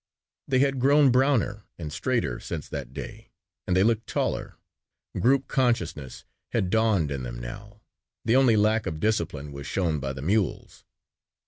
They had grown browner and straighter since that day and they looked taller. Group consciousness had dawned in them now. The only lack of discipline was shown by the mules.